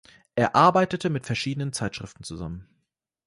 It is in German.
Er arbeitete mit verschiedenen Zeitschriften zusammen.